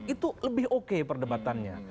itu lebih oke perdebatannya